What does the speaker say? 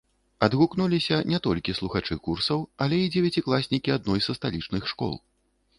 Адгукнуліся не толькі слухачы курсаў, але і дзевяцікласнікі адной са сталічных школ.